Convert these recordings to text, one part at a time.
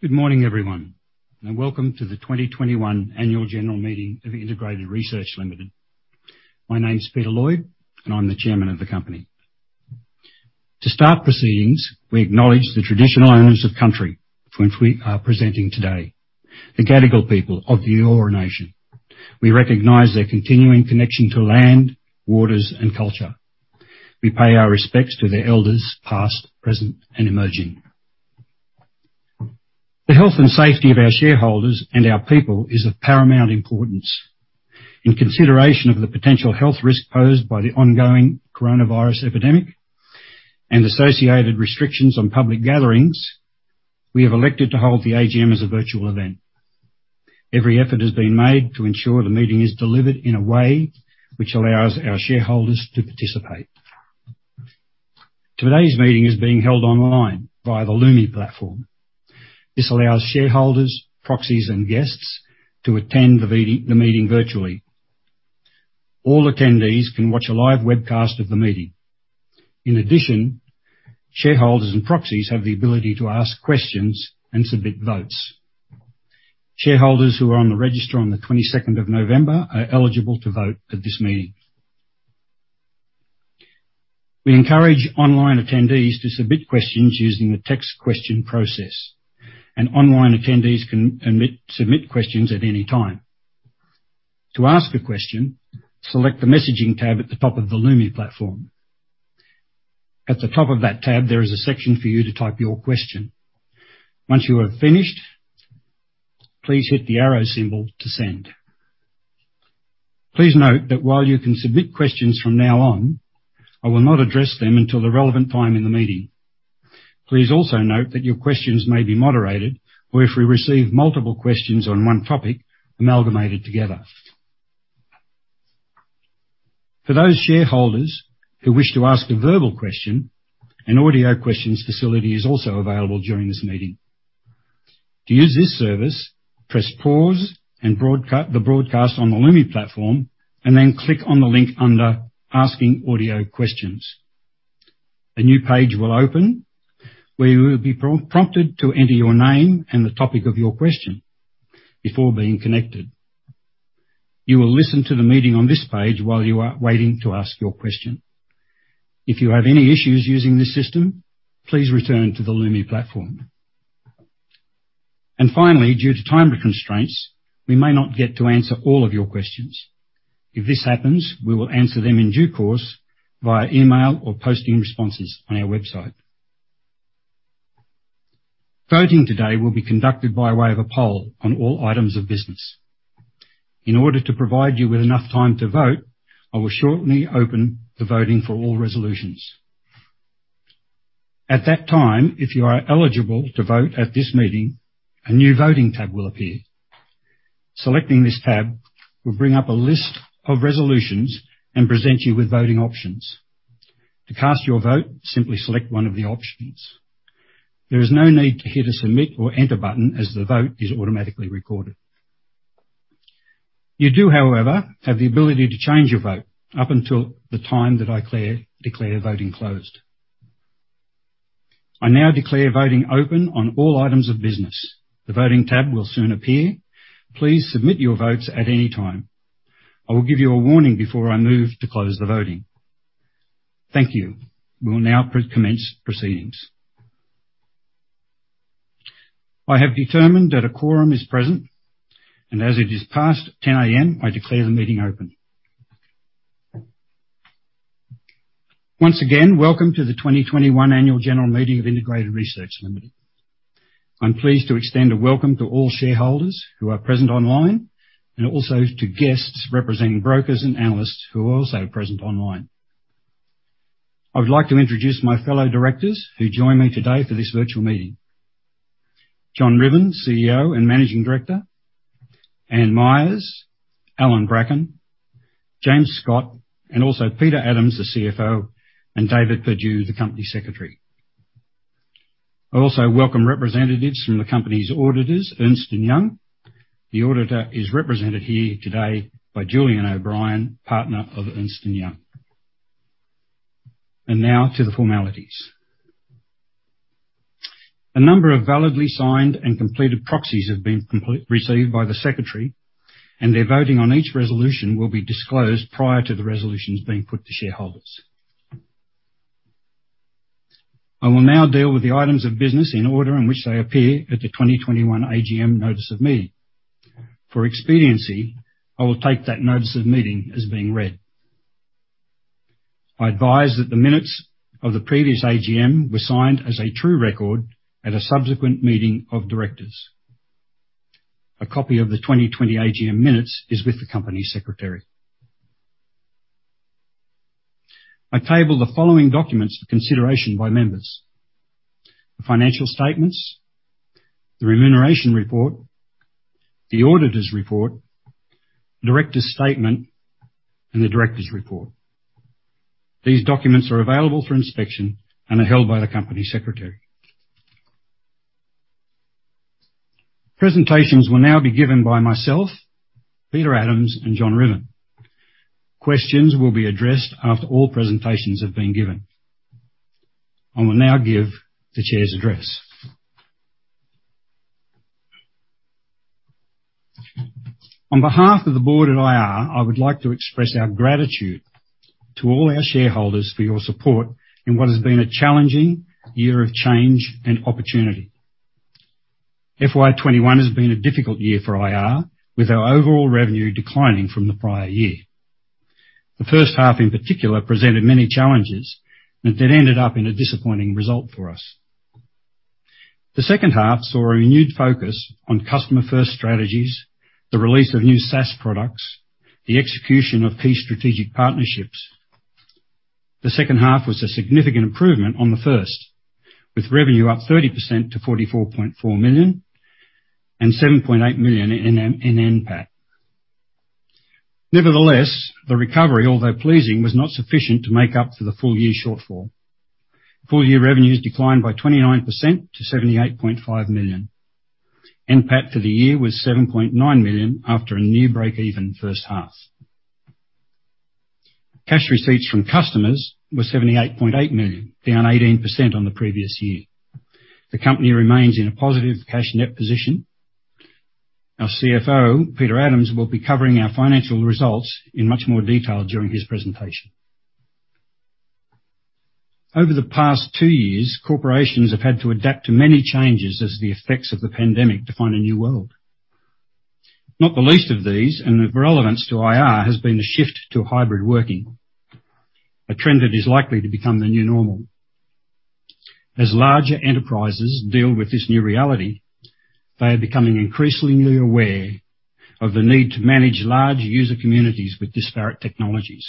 Good morning, everyone, and welcome to the 2021 annual general meeting of Integrated Research Limited. My name's Peter Lloyd, and I'm the Chairman of the company. To start proceedings, we acknowledge the traditional owners of country to which we are presenting today, the Gadigal people of the Eora Nation. We recognize their continuing connection to land, waters, and culture. We pay our respects to their elders past, present, and emerging. The health and safety of our shareholders and our people is of paramount importance. In consideration of the potential health risk posed by the ongoing coronavirus epidemic and associated restrictions on public gatherings, we have elected to hold the AGM as a virtual event. Every effort has been made to ensure the meeting is delivered in a way which allows our shareholders to participate. Today's meeting is being held online via the Lumi platform. This allows shareholders, proxies, and guests to attend the virtual meeting virtually. All attendees can watch a live webcast of the meeting. In addition, shareholders and proxies have the ability to ask questions and submit votes. Shareholders who are on the register on the 22nd of November are eligible to vote at this meeting. We encourage online attendees to submit questions using the text question process, and online attendees can submit questions at any time. To ask a question, select the messaging tab at the top of the Lumi platform. At the top of that tab, there is a section for you to type your question. Once you have finished, please hit the arrow symbol to send. Please note that while you can submit questions from now on, I will not address them until the relevant time in the meeting. Please also note that your questions may be moderated, or if we receive multiple questions on one topic, amalgamated together. For those shareholders who wish to ask a verbal question, an audio questions facility is also available during this meeting. To use this service, press pause and the broadcast on the Lumi platform and then click on the link under Asking Audio Questions. A new page will open, where you will be prompted to enter your name and the topic of your question before being connected. You will listen to the meeting on this page while you are waiting to ask your question. If you have any issues using this system, please return to the Lumi platform. Finally, due to time constraints, we may not get to answer all of your questions. If this happens, we will answer them in due course via email or posting responses on our website. Voting today will be conducted by way of a poll on all items of business. In order to provide you with enough time to vote, I will shortly open the voting for all resolutions. At that time, if you are eligible to vote at this meeting, a new voting tab will appear. Selecting this tab will bring up a list of resolutions and present you with voting options. To cast your vote, simply select one of the options. There is no need to hit a Submit or Enter button, as the vote is automatically recorded. You do, however, have the ability to change your vote up until the time that I declare voting closed. I now declare voting open on all items of business. The voting tab will soon appear. Please submit your votes at any time. I will give you a warning before I move to close the voting. Thank you. We will now commence proceedings. I have determined that a quorum is present, and as it is past 10 A.M., I declare the meeting open. Once again, welcome to the 2021 annual general meeting of Integrated Research Limited. I'm pleased to extend a welcome to all shareholders who are present online and also to guests representing brokers and analysts who are also present online. I would like to introduce my fellow directors who join me today for this virtual meeting. John Ruthven, CEO and Managing Director, Anne Myers, Allan Brackin, James Scott, and also Peter Adams, the CFO, and David Purdue, the Company Secretary. I also welcome representatives from the company's auditors, Ernst & Young. The auditor is represented here today by Julian O'Brien, partner of Ernst & Young. Now to the formalities. A number of validly signed and completed proxies have been received by the secretary, and their voting on each resolution will be disclosed prior to the resolutions being put to shareholders. I will now deal with the items of business in the order in which they appear at the 2021 AGM notice of meeting. For expediency, I will take that notice of meeting as being read. I advise that the minutes of the previous AGM were signed as a true record at a subsequent meeting of directors. A copy of the 2020 AGM minutes is with the company secretary. I table the following documents for consideration by members. The financial statements, the remuneration report, the auditor's report, director's statement, and the director's report. These documents are available for inspection and are held by the company secretary. Presentations will now be given by myself, Peter Adams and John Ruthven. Questions will be addressed after all presentations have been given. I will now give the Chair's address. On behalf of the Board at IR, I would like to express our gratitude to all our shareholders for your support in what has been a challenging year of change and opportunity. FY 2021 has been a difficult year for IR, with our overall revenue declining from the prior year. The first half, in particular, presented many challenges that ended up in a disappointing result for us. The second half saw a renewed focus on customer-first strategies, the release of new SaaS products, the execution of key strategic partnerships. The second half was a significant improvement on the first, with revenue up 30% to 44.4 million and 7.8 million in NPAT. Nevertheless, the recovery, although pleasing, was not sufficient to make up for the full-year shortfall. Full-year revenues declined by 29% to 78.5 million. NPAT for the year was 7.9 million after a near breakeven first half. Cash receipts from customers were 78.8 million, down 18% on the previous year. The company remains in a positive cash net position. Our CFO, Peter Adams, will be covering our financial results in much more detail during his presentation. Over the past two years, corporations have had to adapt to many changes as the effects of the pandemic define a new world. Not the least of these and the relevance to IR has been a shift to hybrid working, a trend that is likely to become the new normal. As larger enterprises deal with this new reality, they are becoming increasingly aware of the need to manage large user communities with disparate technologies.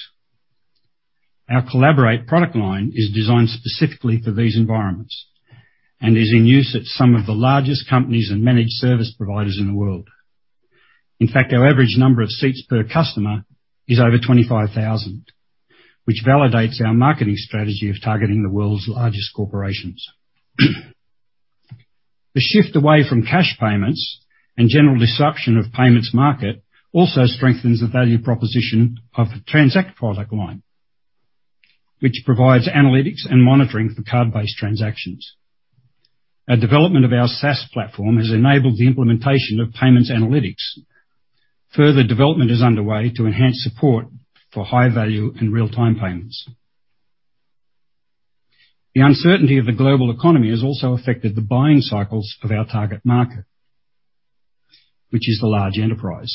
Our Collaborate product line is designed specifically for these environments and is in use at some of the largest companies and managed service providers in the world. In fact, our average number of seats per customer is over 25,000, which validates our marketing strategy of targeting the world's largest corporations. The shift away from cash payments and general disruption of payments market also strengthens the value proposition of Transact product line, which provides analytics and monitoring for card-based transactions. A development of our SaaS platform has enabled the implementation of payments analytics. Further development is underway to enhance support for high value and real-time payments. The uncertainty of the global economy has also affected the buying cycles of our target market, which is the large enterprise.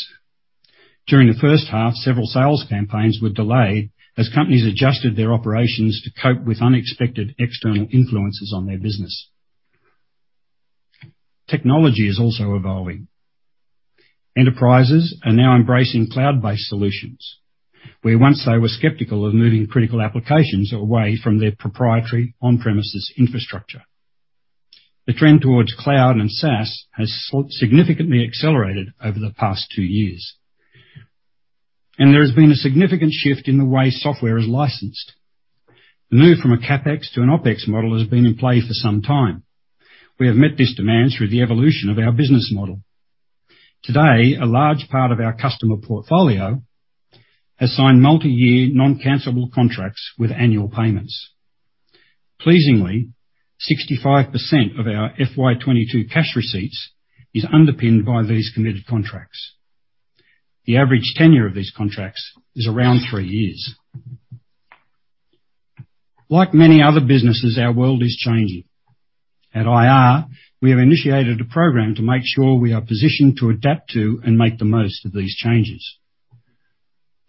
During the first half, several sales campaigns were delayed as companies adjusted their operations to cope with unexpected external influences on their business. Technology is also evolving. Enterprises are now embracing cloud-based solutions, where once they were skeptical of moving critical applications away from their proprietary on-premises infrastructure. The trend towards cloud and SaaS has significantly accelerated over the past two years. There has been a significant shift in the way software is licensed. The move from a CapEx to an OpEx model has been in play for some time. We have met this demand through the evolution of our business model. Today, a large part of our customer portfolio has signed multi-year non-cancelable contracts with annual payments. Pleasingly, 65% of our FY 2022 cash receipts is underpinned by these committed contracts. The average tenure of these contracts is around three years. Like many other businesses, our world is changing. At IR, we have initiated a program to make sure we are positioned to adapt to and make the most of these changes.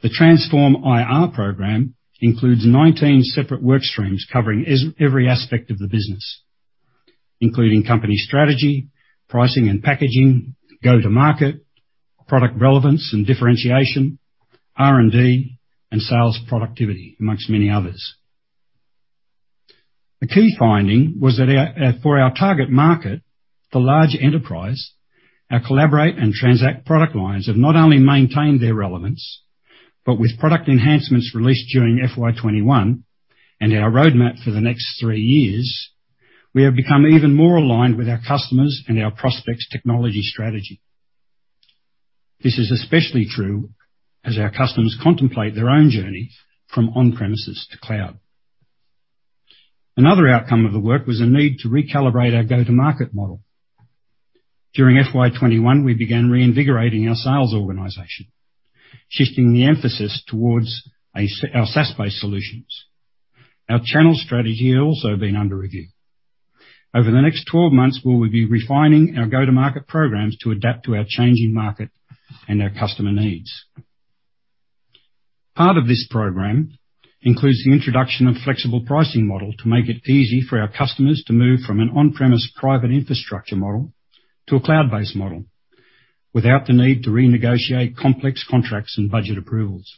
The Transform IR program includes 19 separate work streams covering every aspect of the business, including company strategy, pricing and packaging, go-to-market, product relevance and differentiation, R&D, and sales productivity, among many others. The key finding was that for our target market, the large enterprise, our Collaborate and Transact product lines have not only maintained their relevance, but with product enhancements released during FY 2021 and our roadmap for the next three years, we have become even more aligned with our customers and our prospects' technology strategy. This is especially true as our customers contemplate their own journey from on-premises to cloud. Another outcome of the work was a need to recalibrate our go-to-market model. During FY 2021, we began reinvigorating our sales organization, shifting the emphasis towards our SaaS-based solutions. Our channel strategy has also been under review. Over the next 12 months, we will be refining our go-to-market programs to adapt to our changing market and our customer needs. Part of this program includes the introduction of flexible pricing model to make it easy for our customers to move from an on-premise private infrastructure model to a cloud-based model without the need to renegotiate complex contracts and budget approvals.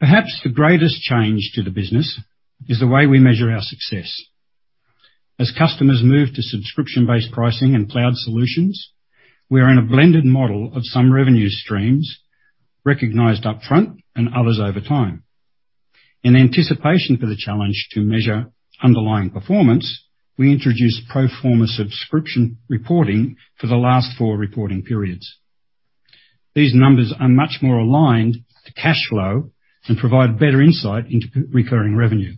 Perhaps the greatest change to the business is the way we measure our success. As customers move to subscription-based pricing and cloud solutions, we are in a blended model of some revenue streams recognized upfront and others over time. In anticipation for the challenge to measure underlying performance, we introduced pro forma subscription reporting for the last four reporting periods. These numbers are much more aligned to cash flow and provide better insight into recurring revenue.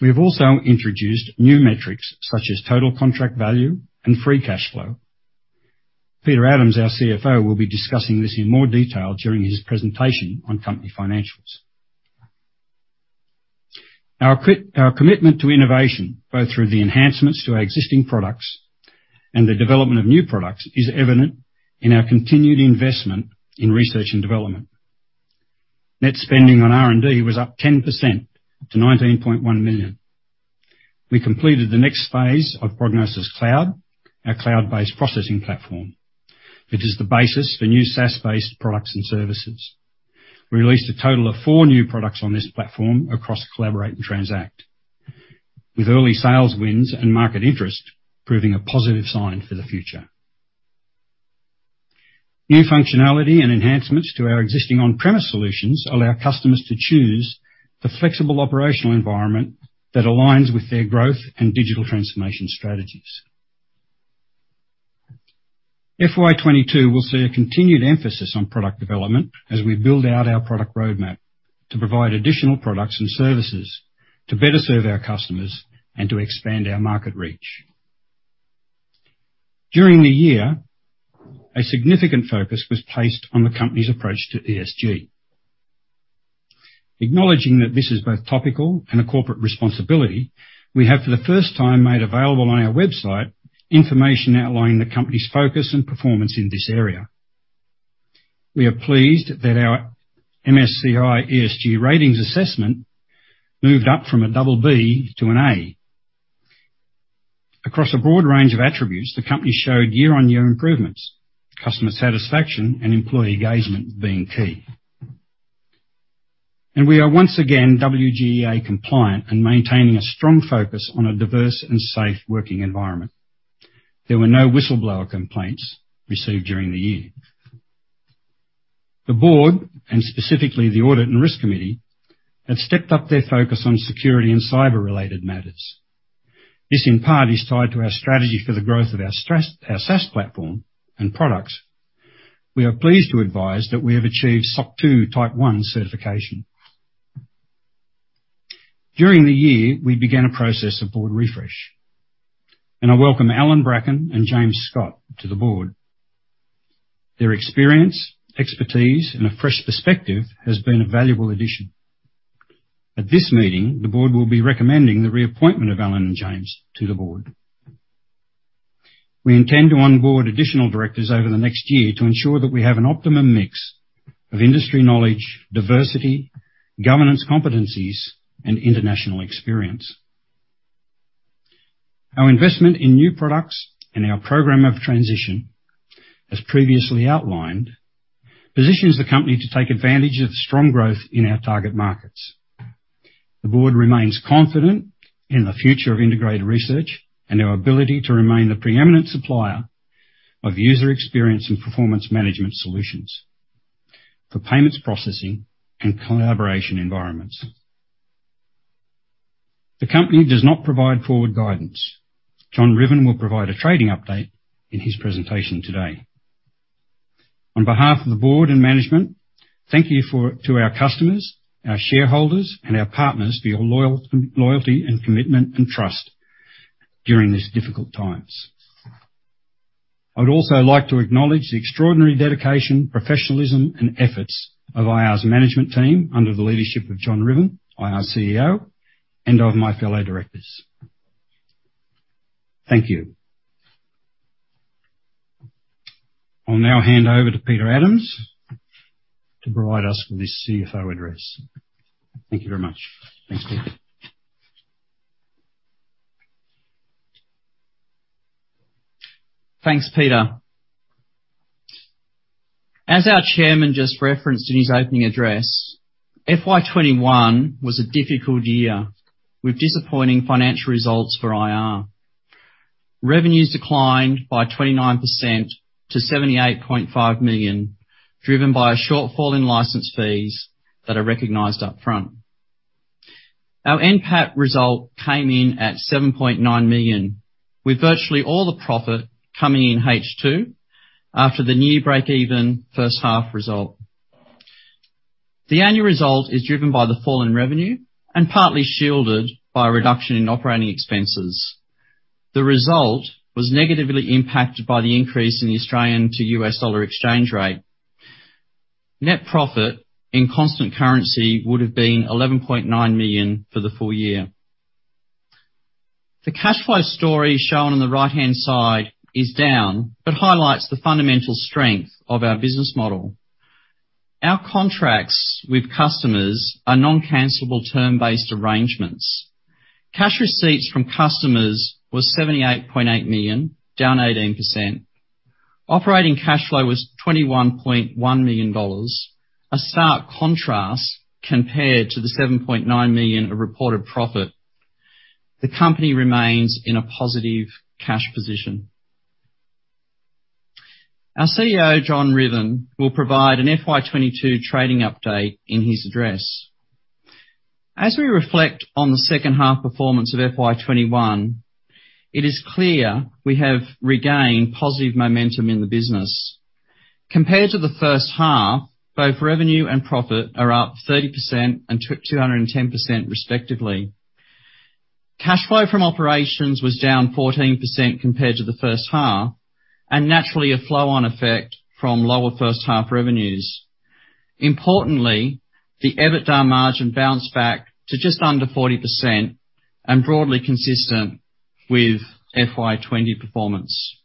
We have also introduced new metrics, such as total contract value and free cash flow. Peter Adams, our CFO, will be discussing this in more detail during his presentation on company financials. Our commitment to innovation, both through the enhancements to our existing products and the development of new products, is evident in our continued investment in research and development. Net spending on R&D was up 10% to 19.1 million. We completed the next phase of Prognosis Cloud, our cloud-based processing platform, which is the basis for new SaaS-based products and services. We released a total of four new products on this platform across Collaborate and Transact, with early sales wins and market interest proving a positive sign for the future. New functionality and enhancements to our existing on-premise solutions allow customers to choose the flexible operational environment that aligns with their growth and digital transformation strategies. FY 2022 will see a continued emphasis on product development as we build out our product roadmap to provide additional products and services to better serve our customers and to expand our market reach. During the year, a significant focus was placed on the company's approach to ESG. Acknowledging that this is both topical and a corporate responsibility, we have, for the first time, made available on our website information outlining the company's focus and performance in this area. We are pleased that our MSCI ESG ratings assessment moved up from a double B to an A. Across a broad range of attributes, the company showed year-on-year improvements, customer satisfaction and employee engagement being key. We are once again WGEA compliant and maintaining a strong focus on a diverse and safe working environment. There were no whistleblower complaints received during the year. The board, and specifically the Audit and Risk Committee, have stepped up their focus on security and cyber-related matters. This, in part, is tied to our strategy for the growth of our SaaS platform and products. We are pleased to advise that we have achieved SOC 2 Type 1 certification. During the year, we began a process of board refresh, and I welcome Allan Brackin and James Scott to the board. Their experience, expertise, and a fresh perspective has been a valuable addition. At this meeting, the board will be recommending the reappointment of Allan and James to the board. We intend to onboard additional directors over the next year to ensure that we have an optimum mix of industry knowledge, diversity, governance competencies, and international experience. Our investment in new products and our program of transition, as previously outlined, positions the company to take advantage of the strong growth in our target markets. The board remains confident in the future of Integrated Research and our ability to remain the preeminent supplier of user experience and performance management solutions for payments processing and collaboration environments. The company does not provide forward guidance. John Ruthven will provide a trading update in his presentation today. On behalf of the board and management, thank you to our customers, our shareholders, and our partners for your loyalty and commitment and trust during this difficult times. I would also like to acknowledge the extraordinary dedication, professionalism, and efforts of IR's management team under the leadership of John Ruthven, IR CEO, and of my fellow directors. Thank you. I'll now hand over to Peter Adams to provide us with his CFO address. Thank you very much. Thanks, Peter. Thanks, Peter. As our chairman just referenced in his opening address, FY 2021 was a difficult year with disappointing financial results for IR. Revenues declined by 29% to 78.5 million, driven by a shortfall in license fees that are recognized up front. Our NPAT result came in at 7.9 million, with virtually all the profit coming in H2 after the near breakeven first half result. The annual result is driven by the fall in revenue and partly shielded by a reduction in operating expenses. The result was negatively impacted by the increase in the Australian to US dollar exchange rate. Net profit in constant currency would have been 11.9 million for the full year. The cash flow story shown on the right-hand side is down but highlights the fundamental strength of our business model. Our contracts with customers are non-cancelable term-based arrangements. Cash receipts from customers was 78.8 million, down 18%. Operating cash flow was 21.1 million dollars, a stark contrast compared to the 7.9 million of reported profit. The company remains in a positive cash position. Our CEO, John Ruthven, will provide an FY 2022 trading update in his address. As we reflect on the second half performance of FY 2021, it is clear we have regained positive momentum in the business. Compared to the first half, both revenue and profit are up 30% and 210% respectively. Cash flow from operations was down 14% compared to the first half, and naturally, a flow on effect from lower first half revenues. Importantly, the EBITDA margin bounced back to just under 40% and broadly consistent with FY 2020 performance.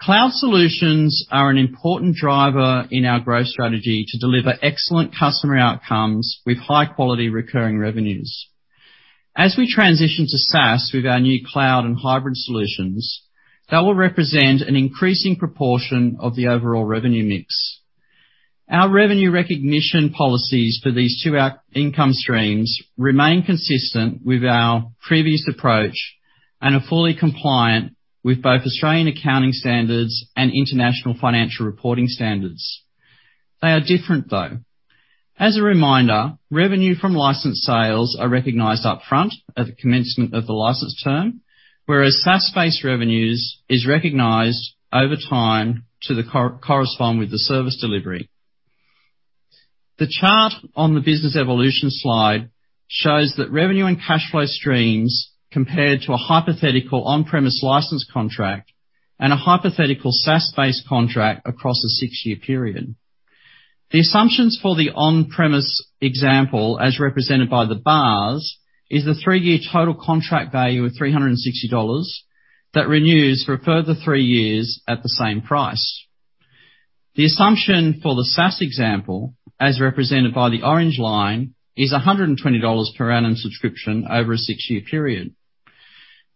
Cloud solutions are an important driver in our growth strategy to deliver excellent customer outcomes with high quality recurring revenues. As we transition to SaaS with our new cloud and hybrid solutions, that will represent an increasing proportion of the overall revenue mix. Our revenue recognition policies for these two income streams remain consistent with our previous approach and are fully compliant with both Australian accounting standards and international financial reporting standards. They are different, though. As a reminder, revenue from license sales are recognized upfront at the commencement of the license term, whereas SaaS-based revenues is recognized over time to correspond with the service delivery. The chart on the business evolution slide shows that revenue and cash flow streams compared to a hypothetical on-premise license contract and a hypothetical SaaS-based contract across a six-year period. The assumptions for the on-premise example, as represented by the bars, is the three-year total contract value of 360 dollars that renews for a further three years at the same price. The assumption for the SaaS example, as represented by the orange line, is 120 dollars per annum subscription over a six-year period.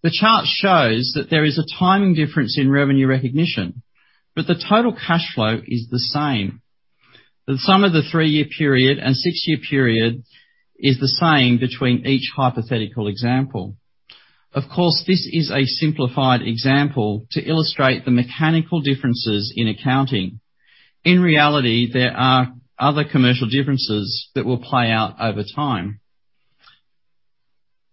The chart shows that there is a timing difference in revenue recognition, but the total cash flow is the same. The sum of the three-year period and six-year period is the same between each hypothetical example. Of course, this is a simplified example to illustrate the mechanical differences in accounting. In reality, there are other commercial differences that will play out over time.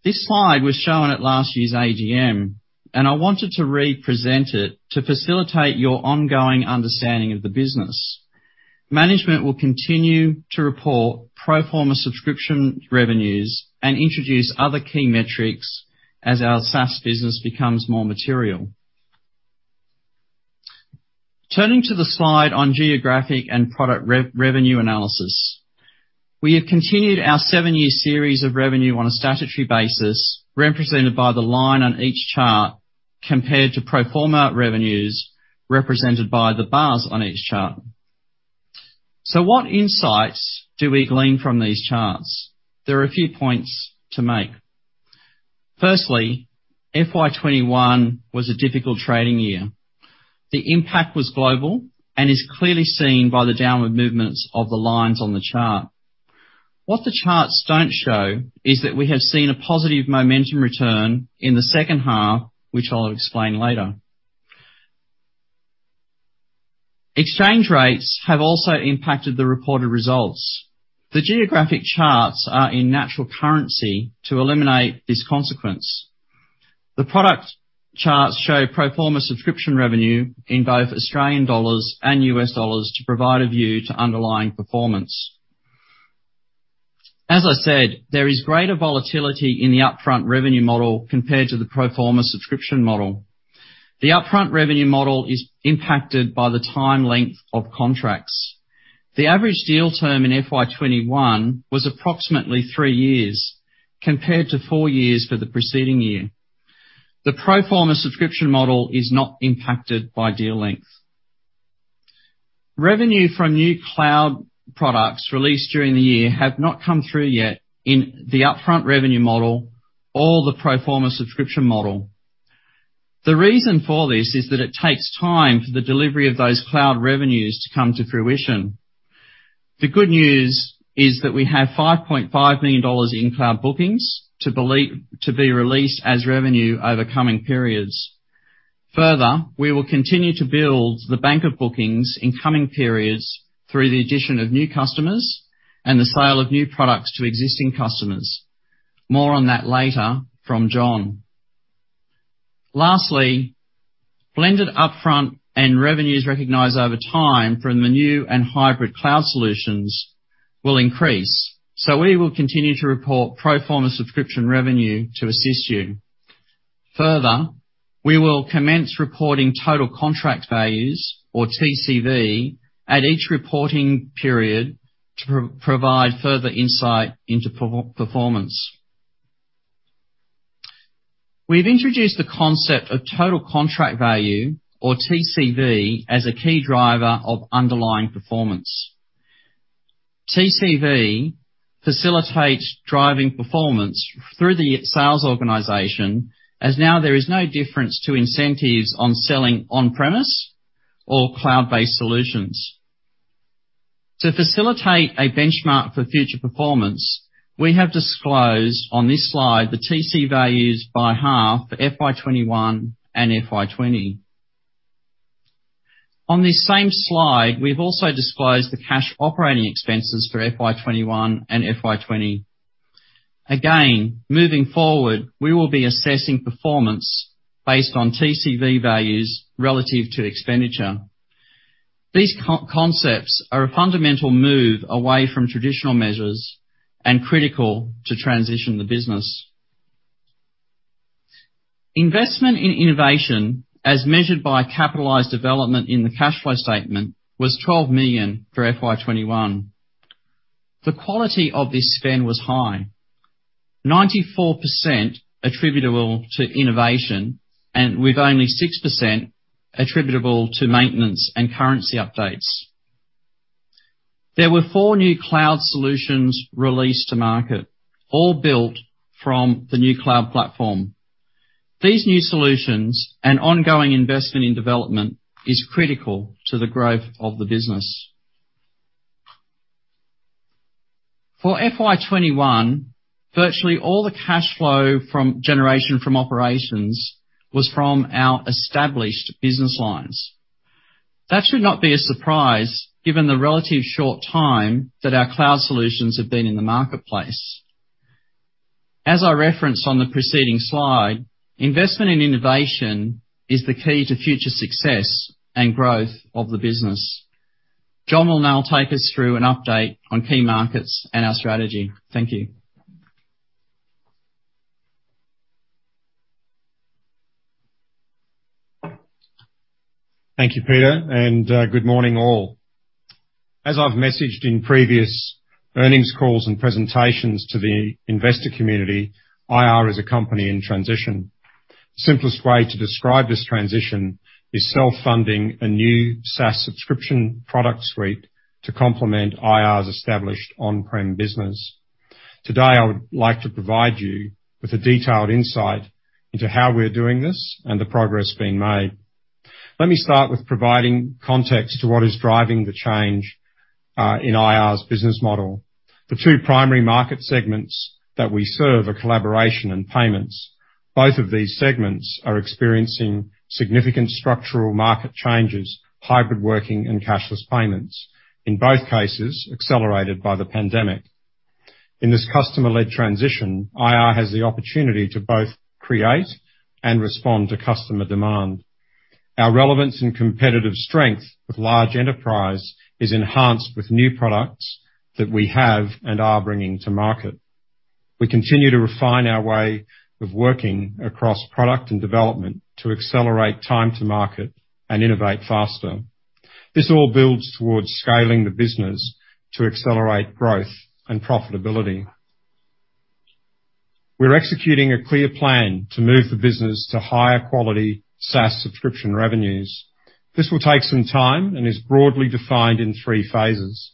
This slide was shown at last year's AGM, and I wanted to re-present it to facilitate your ongoing understanding of the business. Management will continue to report pro forma subscription revenues and introduce other key metrics as our SaaS business becomes more material. Turning to the slide on geographic and product revenue analysis. We have continued our seven year series of revenue on a statutory basis, represented by the line on each chart, compared to pro forma revenues, represented by the bars on each chart. What insights do we glean from these charts? There are a few points to make. Firstly, FY 2021 was a difficult trading year. The impact was global and is clearly seen by the downward movements of the lines on the chart. What the charts don't show is that we have seen a positive momentum return in the second half, which I'll explain later. Exchange rates have also impacted the reported results. The geographic charts are in natural currency to eliminate this consequence. The product charts show pro forma subscription revenue in both Australian dollars and US dollars to provide a view to underlying performance. As I said, there is greater volatility in the upfront revenue model compared to the pro forma subscription model. The upfront revenue model is impacted by the time length of contracts. The average deal term in FY 2021 was approximately three years compared to four years for the preceding year. The pro forma subscription model is not impacted by deal length. Revenue from new cloud products released during the year have not come through yet in the upfront revenue model or the pro forma subscription model. The reason for this is that it takes time for the delivery of those cloud revenues to come to fruition. The good news is that we have 5.5 million dollars in cloud bookings to be released as revenue over coming periods. Further, we will continue to build the bank of bookings in coming periods through the addition of new customers and the sale of new products to existing customers. More on that later from John. Lastly, blended upfront and revenues recognized over time from the new and hybrid cloud solutions will increase, so we will continue to report pro forma subscription revenue to assist you. Further, we will commence reporting total contract values or TCV at each reporting period to provide further insight into performance. We've introduced the concept of total contract value or TCV as a key driver of underlying performance. TCV facilitates driving performance through the sales organization, as now there is no difference to incentives on selling on-premise or cloud-based solutions. To facilitate a benchmark for future performance, we have disclosed on this slide the TCV values by half for FY 2021 and FY 2020. On this same slide, we've also disclosed the cash operating expenses for FY 2021 and FY 2020. Again, moving forward, we will be assessing performance based on TCV values relative to expenditure. These concepts are a fundamental move away from traditional measures and critical to transition the business. Investment in innovation as measured by capitalized development in the cash flow statement was 12 million for FY 2021. The quality of this spend was high, 94% attributable to innovation and with only 6% attributable to maintenance and currency updates. There were four new cloud solutions released to market, all built from the new cloud platform. These new solutions and ongoing investment in development is critical to the growth of the business. For FY 2021, virtually all the cash flow generation from operations was from our established business lines. That should not be a surprise given the relatively short time that our cloud solutions have been in the marketplace. As I referenced on the preceding slide, investment in innovation is the key to future success and growth of the business. John will now take us through an update on key markets and our strategy. Thank you. Thank you, Peter, and good morning all. As I've messaged in previous earnings calls and presentations to the investor community, IR is a company in transition. Simplest way to describe this transition is self-funding a new SaaS subscription product suite to complement IR's established on-prem business. Today, I would like to provide you with a detailed insight into how we're doing this and the progress being made. Let me start with providing context to what is driving the change in IR's business model. The two primary market segments that we serve are collaboration and payments. Both of these segments are experiencing significant structural market changes, hybrid working and cashless payments, in both cases accelerated by the pandemic. In this customer-led transition, IR has the opportunity to both create and respond to customer demand. Our relevance and competitive strength with large enterprise is enhanced with new products that we have and are bringing to market. We continue to refine our way of working across product and development to accelerate time to market and innovate faster. This all builds towards scaling the business to accelerate growth and profitability. We're executing a clear plan to move the business to higher quality SaaS subscription revenues. This will take some time and is broadly defined in three phases.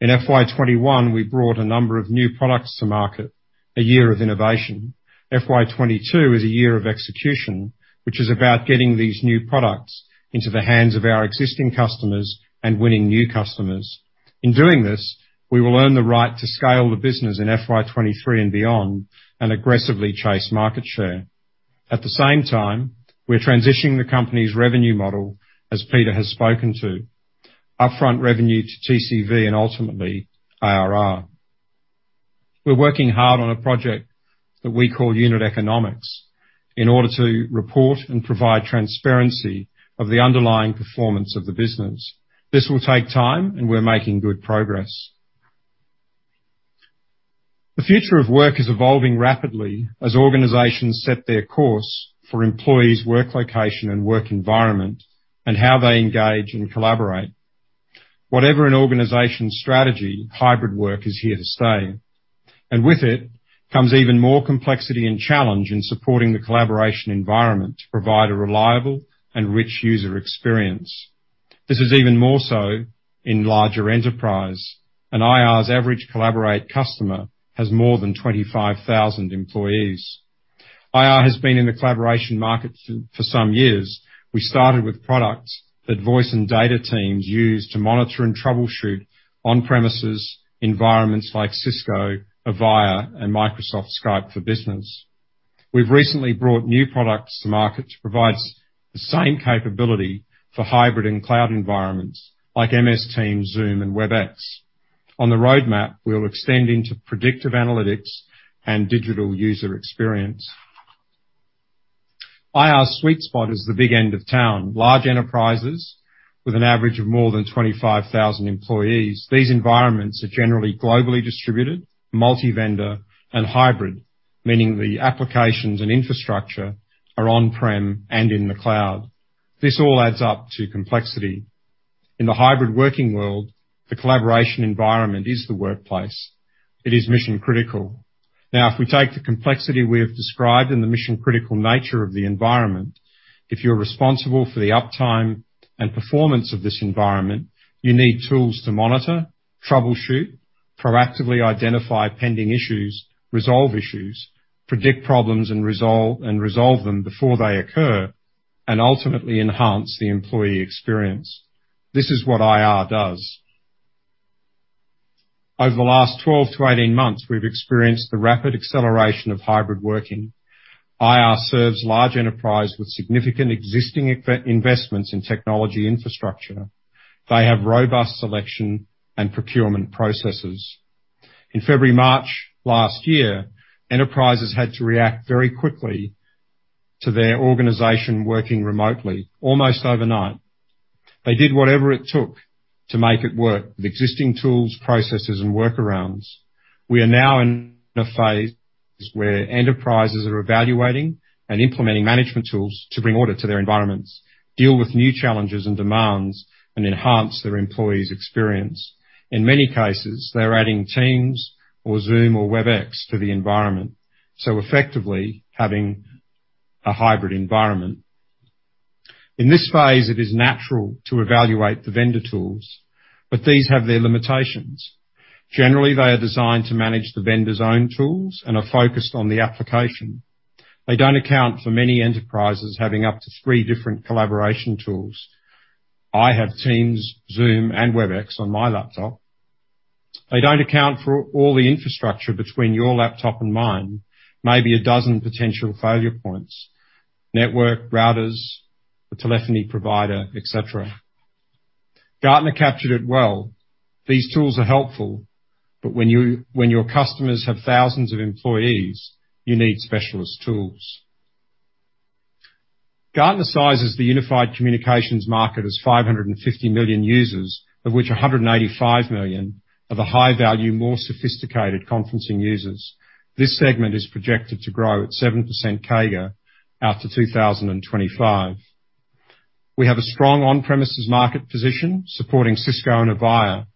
In FY 2021, we brought a number of new products to market, a year of innovation. FY 2022 is a year of execution, which is about getting these new products into the hands of our existing customers and winning new customers. In doing this, we will earn the right to scale the business in FY 2023 and beyond and aggressively chase market share. At the same time, we're transitioning the company's revenue model, as Peter has spoken to. Upfront revenue to TCV and ultimately IRR. We're working hard on a project that we call unit economics in order to report and provide transparency of the underlying performance of the business. This will take time, and we're making good progress. The future of work is evolving rapidly as organizations set their course for employees' work location and work environment and how they engage and collaborate. Whatever an organization's strategy, hybrid work is here to stay, and with it comes even more complexity and challenge in supporting the collaboration environment to provide a reliable and rich user experience. This is even more so in larger enterprise, and IR's average Collaborate customer has more than 25,000 employees. IR has been in the collaboration market for some years. We started with products that voice and data teams use to monitor and troubleshoot on-premises environments like Cisco, Avaya and Microsoft Skype for Business. We've recently brought new products to market to provide the same capability for hybrid and cloud environments like MS Teams, Zoom and Webex. On the roadmap, we'll extend into predictive analytics and digital user experience. IR's sweet spot is the big end of town. Large enterprises with an average of more than 25,000 employees. These environments are generally globally distributed, multi-vendor and hybrid, meaning the applications and infrastructure are on-prem and in the cloud. This all adds up to complexity. In the hybrid working world, the collaboration environment is the workplace. It is mission-critical. Now, if we take the complexity we have described and the mission-critical nature of the environment, if you're responsible for the uptime and performance of this environment, you need tools to monitor, troubleshoot, proactively identify pending issues, resolve issues, predict problems and resolve them before they occur. Ultimately enhance the employee experience. This is what IR does. Over the last 12-18 months, we've experienced the rapid acceleration of hybrid working. IR serves large enterprises with significant existing investments in technology infrastructure. They have robust selection and procurement processes. In February, March last year, enterprises had to react very quickly to their organization working remotely almost overnight. They did whatever it took to make it work with existing tools, processes, and workarounds. We are now in a phase where enterprises are evaluating and implementing management tools to bring order to their environments, deal with new challenges and demands, and enhance their employees' experience. In many cases, they're adding Teams or Zoom or Webex to the environment, so effectively having a hybrid environment. In this phase, it is natural to evaluate the vendor tools, but these have their limitations. Generally, they are designed to manage the vendor's own tools and are focused on the application. They don't account for many enterprises having up to three different collaboration tools. I have Teams, Zoom and Webex on my laptop. They don't account for all the infrastructure between your laptop and mine. Maybe a dozen potential failure points, network routers, the telephony provider, et cetera. Gartner captured it well. These tools are helpful, but when your customers have thousands of employees, you need specialist tools. Gartner sizes the unified communications market as 550 million users, of which 185 million are the high-value, more sophisticated conferencing users. This segment is projected to grow at 7% CAGR after 2025. We have a strong on-premises market position supporting Cisco and Avaya,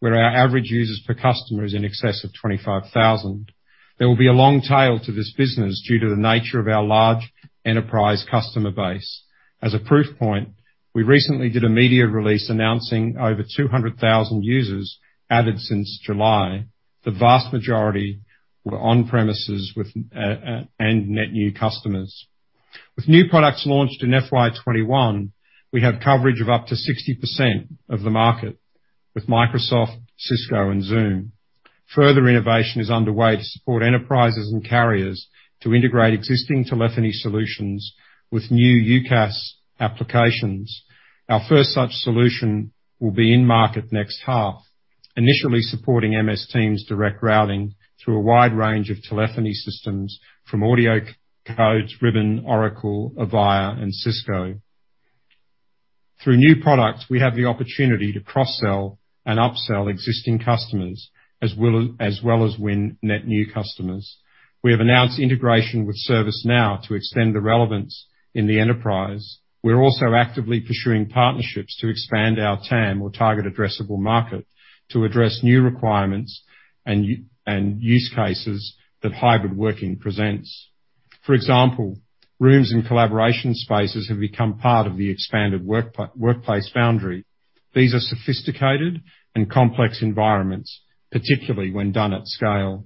where our average users per customer is in excess of 25,000. There will be a long tail to this business due to the nature of our large enterprise customer base. As a proof point, we recently did a media release announcing over 200,000 users added since July. The vast majority were on premises with and net new customers. With new products launched in FY 2021, we have coverage of up to 60% of the market with Microsoft, Cisco and Zoom. Further innovation is underway to support enterprises and carriers to integrate existing telephony solutions with new UCaaS applications. Our first such solution will be in market next half, initially supporting Microsoft Teams' direct routing through a wide range of telephony systems from AudioCodes, Ribbon, Oracle, Avaya and Cisco. Through new products, we have the opportunity to cross-sell and upsell existing customers, as well as win net new customers. We have announced integration with ServiceNow to extend the relevance in the enterprise. We're also actively pursuing partnerships to expand our TAM or target addressable market to address new requirements and use cases that hybrid working presents. For example, rooms and collaboration spaces have become part of the expanded workplace boundary. These are sophisticated and complex environments, particularly when done at scale.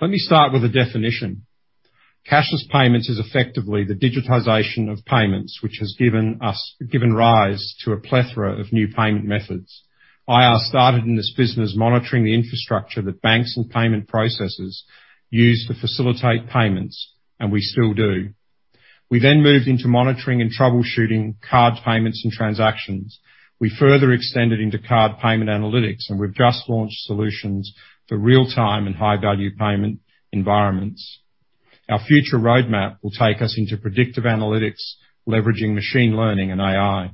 Let me start with a definition. Cashless payments is effectively the digitization of payments, which has given rise to a plethora of new payment methods. IR started in this business monitoring the infrastructure that banks and payment processes use to facilitate payments, and we still do. We then moved into monitoring and troubleshooting card payments and transactions. We further extended into card payment analytics, and we've just launched solutions for real-time and high-value payment environments. Our future roadmap will take us into predictive analytics, leveraging machine learning and AI.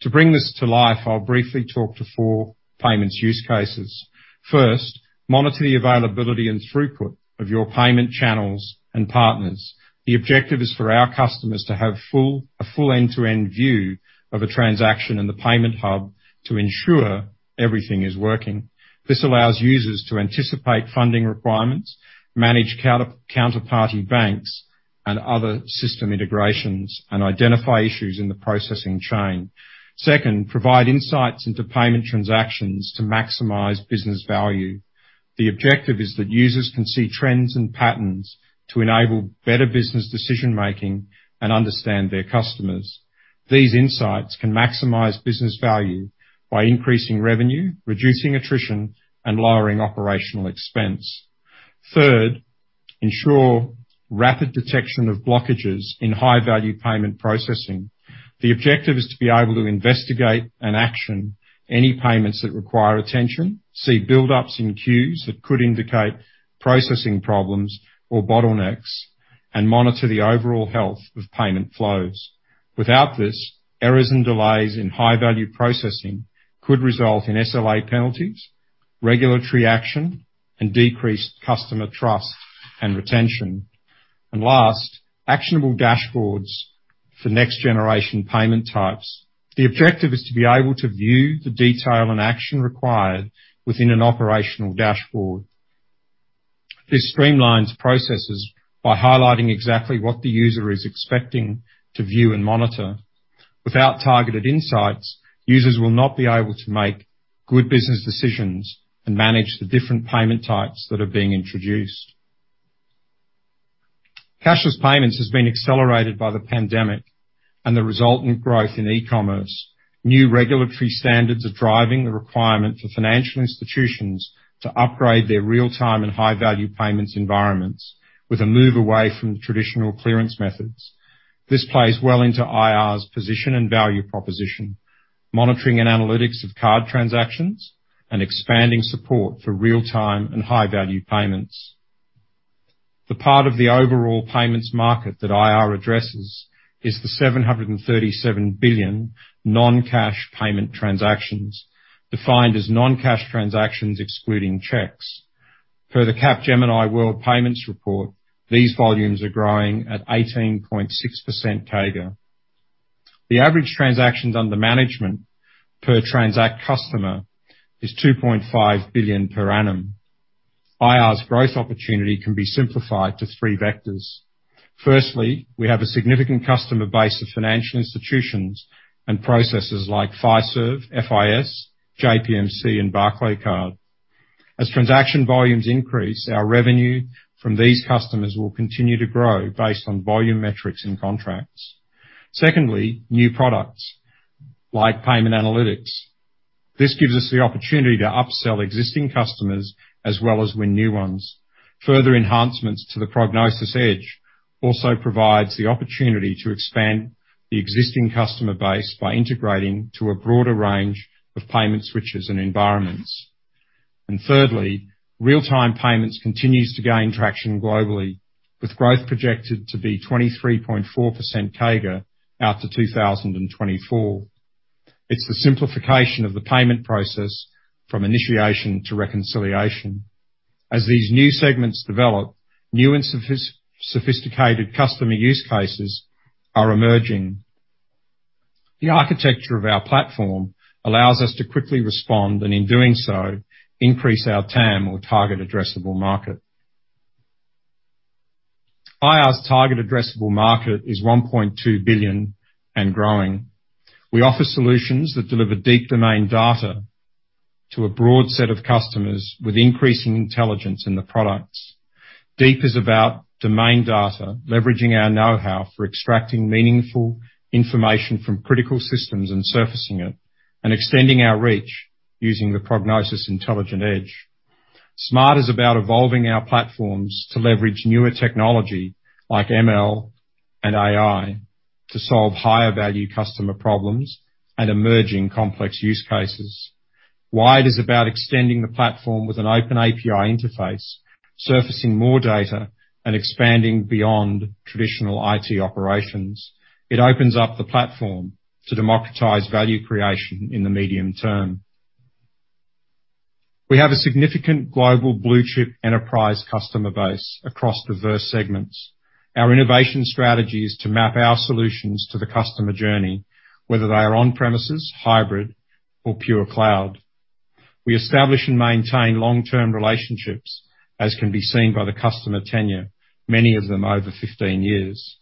To bring this to life, I'll briefly talk to four payments use cases. First, monitor the availability and throughput of your payment channels and partners. The objective is for our customers to have a full end-to-end view of a transaction in the payment hub to ensure everything is working. This allows users to anticipate funding requirements, manage counterparty banks and other system integrations, and identify issues in the processing chain. Second, provide insights into payment transactions to maximize business value. The objective is that users can see trends and patterns to enable better business decision-making and understand their customers. These insights can maximize business value by increasing revenue, reducing attrition, and lowering operational expense. Third, ensure rapid detection of blockages in high-value payment processing. The objective is to be able to investigate and action any payments that require attention, see buildups in queues that could indicate processing problems or bottlenecks, and monitor the overall health of payment flows. Without this, errors and delays in high-value processing could result in SLA penalties, regulatory action, and decreased customer trust and retention. Last, actionable dashboards for next-generation payment types. The objective is to be able to view the detail and action required within an operational dashboard. This streamlines processes by highlighting exactly what the user is expecting to view and monitor. Without targeted insights, users will not be able to make good business decisions and manage the different payment types that are being introduced. Cashless payments have been accelerated by the pandemic and the resultant growth in e-commerce. New regulatory standards are driving the requirement for financial institutions to upgrade their real-time and high-value payments environments with a move away from traditional clearance methods. This plays well into IR's position and value proposition, monitoring and analytics of card transactions, and expanding support for real-time and high-value payments. The part of the overall payments market that IR addresses is the 737 billion non-cash payment transactions, defined as non-cash transactions excluding checks. Per the Capgemini World Payments Report, these volumes are growing at 18.6% CAGR. The average transactions under management per Transact customer is 2.5 billion per annum. IR's growth opportunity can be simplified to three vectors. Firstly, we have a significant customer base of financial institutions and processors like Fiserv, FIS, JPMorgan Chase and Barclaycard. As transaction volumes increase, our revenue from these customers will continue to grow based on volume metrics and contracts. Secondly, new products like payment analytics. This gives us the opportunity to upsell existing customers as well as win new ones. Further enhancements to the Prognosis Edge also provides the opportunity to expand the existing customer base by integrating to a broader range of payment switches and environments. Thirdly, real-time payments continues to gain traction globally, with growth projected to be 23.4% CAGR out to 2024. It's the simplification of the payment process from initiation to reconciliation. As these new segments develop, new and sophisticated customer use cases are emerging. The architecture of our platform allows us to quickly respond, and in doing so, increase our TAM or target addressable market. IR's target addressable market is 1.2 billion and growing. We offer solutions that deliver deep domain data to a broad set of customers with increasing intelligence in the products. Deep is about domain data, leveraging our know-how for extracting meaningful information from critical systems and surfacing it, and extending our reach using the Prognosis Intelligent Edge. Smart is about evolving our platforms to leverage newer technology like ML and AI to solve higher value customer problems and emerging complex use cases. Wide is about extending the platform with an open API interface, surfacing more data and expanding beyond traditional IT operations. It opens up the platform to democratize value creation in the medium term. We have a significant global blue-chip enterprise customer base across diverse segments. Our innovation strategy is to map our solutions to the customer journey, whether they are on premises, hybrid, or pure cloud. We establish and maintain long-term relationships, as can be seen by the customer tenure, many of them over 15 years.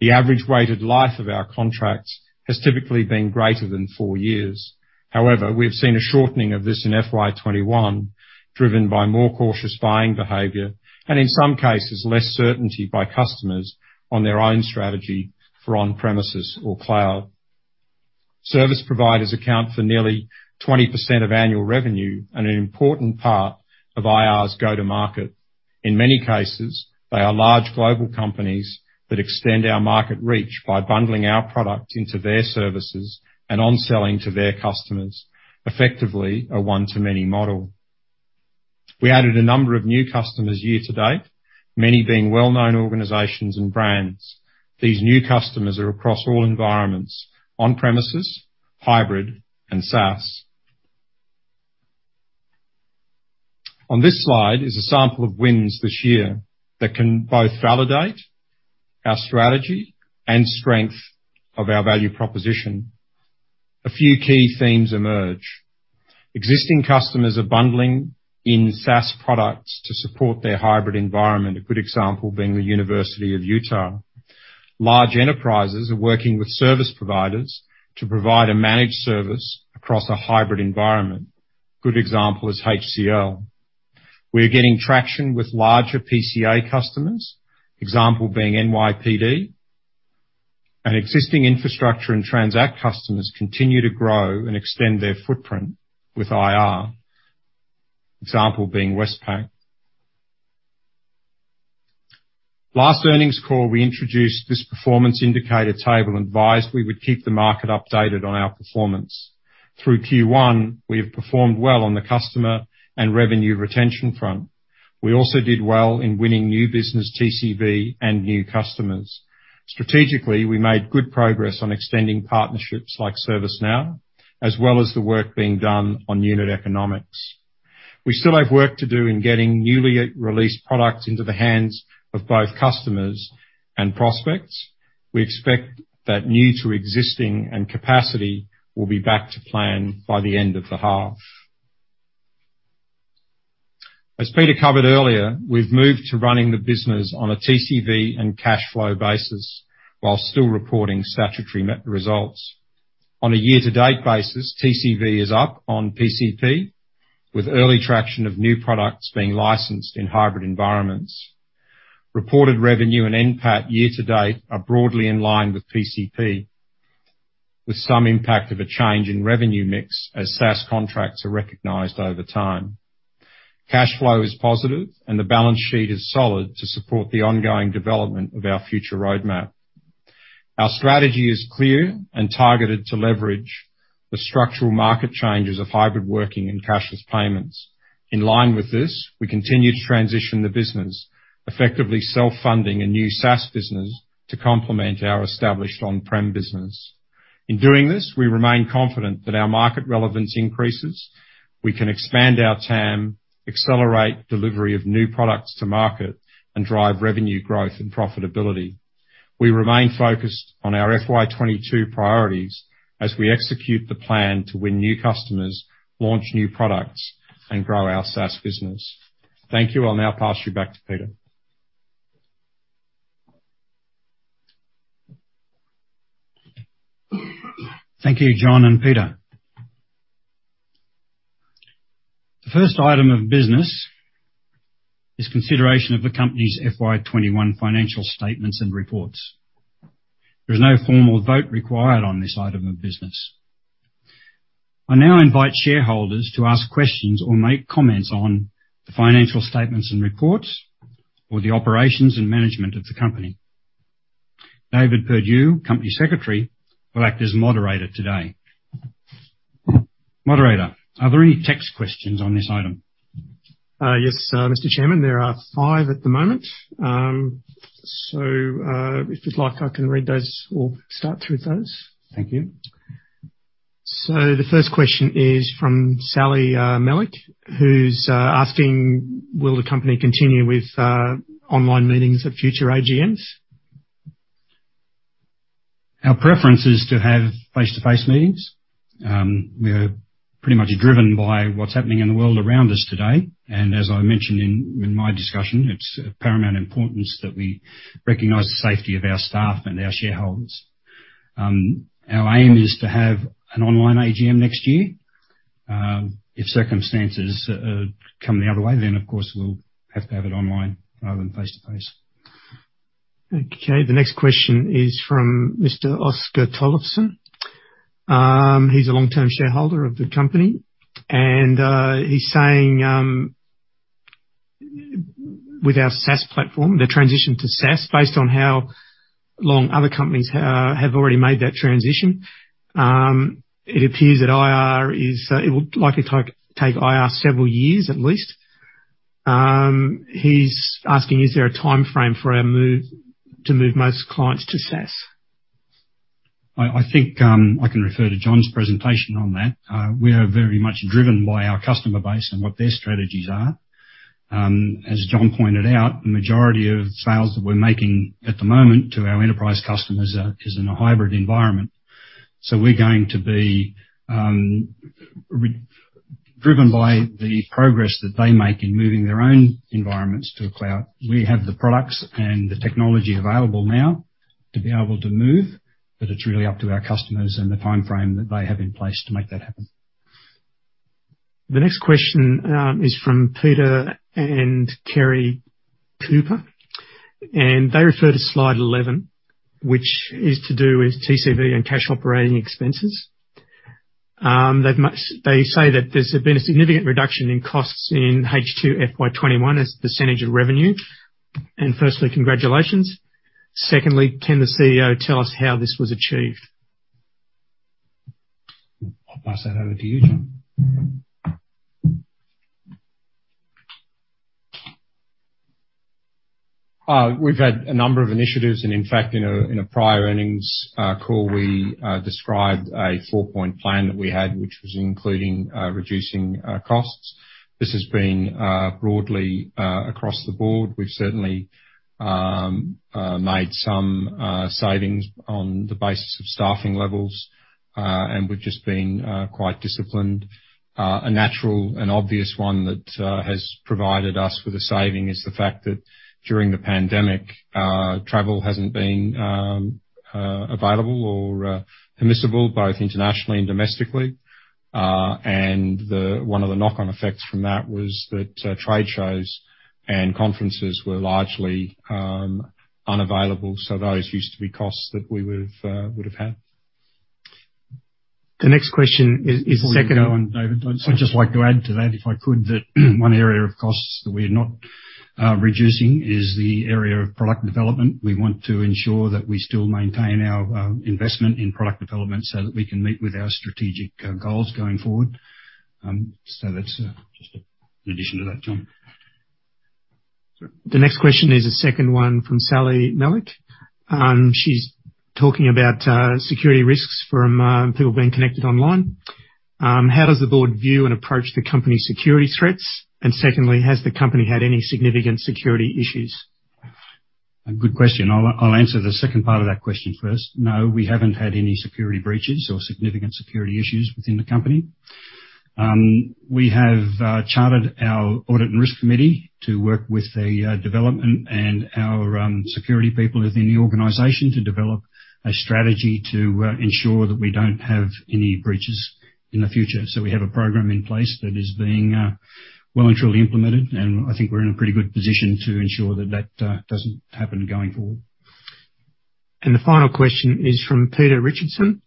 The average weighted life of our contracts has typically been greater than four years. However, we have seen a shortening of this in FY 2021, driven by more cautious buying behavior and in some cases, less certainty by customers on their own strategy for on-premises or cloud. Service providers account for nearly 20% of annual revenue and an important part of IR's go-to-market. In many cases, they are large global companies that extend our market reach by bundling our product into their services and on-selling to their customers. Effectively, a one-to-many model. We added a number of new customers year to date, many being well-known organizations and brands. These new customers are across all environments, on premises, hybrid, and SaaS. On this slide is a sample of wins this year that can both validate our strategy and strength of our value proposition. A few key themes emerge. Existing customers are bundling in SaaS products to support their hybrid environment, a good example being the University of Utah. Large enterprises are working with service providers to provide a managed service across a hybrid environment. Good example is HCL. We are getting traction with larger PCA customers, example being NYPD. Existing infrastructure and Transact customers continue to grow and extend their footprint with IR, example being Westpac. Last earnings call, we introduced this performance indicator table and advised we would keep the market updated on our performance. Through Q1, we have performed well on the customer and revenue retention front. We also did well in winning new business TCV and new customers. Strategically, we made good progress on extending partnerships like ServiceNow, as well as the work being done on unit economics. We still have work to do in getting newly released products into the hands of both customers and prospects. We expect that new to existing and capacity will be back to plan by the end of the half. As Peter covered earlier, we've moved to running the business on a TCV and cash flow basis while still reporting statutory net results. On a year-to-date basis, TCV is up on PCP, with early traction of new products being licensed in hybrid environments. Reported revenue and NPAT year to date are broadly in line with PCP, with some impact of a change in revenue mix as SaaS contracts are recognized over time. Cash flow is positive and the balance sheet is solid to support the ongoing development of our future roadmap. Our strategy is clear and targeted to leverage the structural market changes of hybrid working and cashless payments. In line with this, we continue to transition the business, effectively self-funding a new SaaS business to complement our established on-prem business. In doing this, we remain confident that our market relevance increases. We can expand our TAM, accelerate delivery of new products to market, and drive revenue growth and profitability. We remain focused on our FY 2022 priorities as we execute the plan to win new customers, launch new products, and grow our SaaS business. Thank you. I'll now pass you back to Peter. Thank you, John and Peter. The first item of business is consideration of the company's FY 2021 financial statements and reports. There's no formal vote required on this item of business. I now invite shareholders to ask questions or make comments on the financial statements and reports or the operations and management of the company. David Perdue, Company Secretary, will act as moderator today. Moderator, are there any text questions on this item? Mr. Chairman, there are five at the moment. If you'd like, I can read those or start through those. Thank you. The first question is from Sally Melick, who's asking, "Will the company continue with online meetings for future AGMs? Our preference is to have face-to-face meetings. We are pretty much driven by what's happening in the world around us today, and as I mentioned in my discussion, it's of paramount importance that we recognize the safety of our staff and our shareholders. Our aim is to have an online AGM next year. If circumstances come the other way, then of course we'll have to have it online rather than face-to-face. Okay. The next question is from Mr. Oscar Tollefson. He's a long-term shareholder of the company, and he's saying, with our SaaS platform, the transition to SaaS, based on how long other companies have already made that transition, it appears that it would likely take IR several years at least. He's asking, "Is there a timeframe for our move to most clients to SaaS? I think I can refer to John's presentation on that. We are very much driven by our customer base and what their strategies are. As John pointed out, the majority of sales that we're making at the moment to our enterprise customers is in a hybrid environment. We're going to be driven by the progress that they make in moving their own environments to a cloud. We have the products and the technology available now to be able to move, but it's really up to our customers and the timeframe that they have in place to make that happen. The next question is from Peter and Kerry Cooper, and they refer to slide 11, which is to do with TCV and cash operating expenses. They say that there's been a significant reduction in costs in H2 FY 2021 as a percentage of revenue. Firstly, congratulations. Secondly, can the CEO tell us how this was achieved? I'll pass that over to you, John. We've had a number of initiatives, and in fact, in a prior earnings call, we described a four-point plan that we had, which was including reducing costs. This has been broadly across the board. We've certainly made some savings on the basis of staffing levels, and we've just been quite disciplined. A natural and obvious one that has provided us with a saving is the fact that during the pandemic, travel hasn't been available or permissible both internationally and domestically. One of the knock-on effects from that was that trade shows and conferences were largely unavailable. Those used to be costs that we would've had. The next question is. Before you go on, David, I'd just like to add to that, if I could, that one area of costs that we're not reducing is the area of product development. We want to ensure that we still maintain our investment in product development so that we can meet with our strategic goals going forward. That's just an addition to that, John. Sure. The next question is a second one from Sally Mellick. She's talking about security risks from people being connected online. How does the board view and approach the company's security threats? And secondly, has the company had any significant security issues? A good question. I'll answer the second part of that question first. No, we haven't had any security breaches or significant security issues within the company. We have chartered our audit and risk committee to work with the development and our security people within the organization to develop a strategy to ensure that we don't have any breaches in the future. We have a program in place that is being well and truly implemented, and I think we're in a pretty good position to ensure that that doesn't happen going forward. The final question is from Peter Richardson.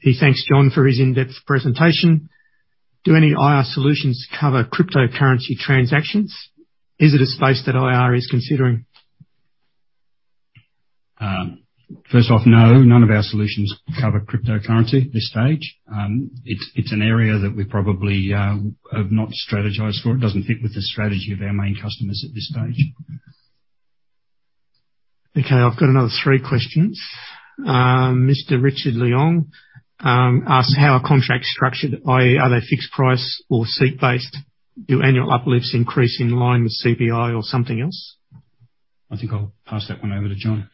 He thanks John for his in-depth presentation. Do any IR solutions cover cryptocurrency transactions? Is it a space that IR is considering? First off, no, none of our solutions cover cryptocurrency at this stage. It's an area that we probably have not strategized for. It doesn't fit with the strategy of our main customers at this stage. Okay. I've got another three questions. Mr. Richard Leong asks how are contracts structured, i.e., are they fixed price or seat-based? Do annual uplifts increase in line with CPI or something else? I think I'll pass that one over to John.